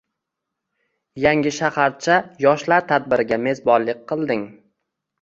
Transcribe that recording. Yangi shaharcha yoshlar tadbiriga mezbonlik qilding